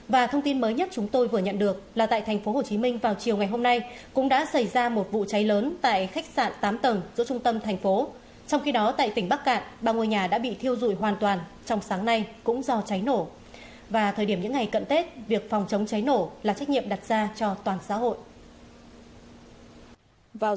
và thông tin mới nhất chúng tôi vừa nhận được là tại thành phố hồ chí minh vào chiều ngày hôm nay cũng đã xảy ra một vụ cháy lớn tại khách sạn tám tầng giữa trung tâm thành phố